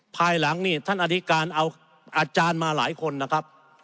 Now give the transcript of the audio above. ภายหลังนี่ท่านอธิการเอาอาจารย์มาหลายคนนะครับ